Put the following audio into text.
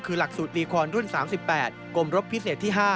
คือหลักสูตรลีคอนรุ่น๓๘กรมรบพิเศษที่๕